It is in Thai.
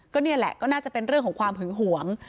ก็นี่แหละก็น่าจะเป็นเรื่องของความหึงหวง